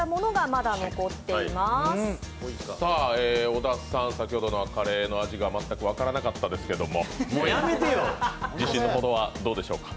小田さん、先ほどのカレーの味が全く分からなかったですけど自信のほどはどうでしょうか？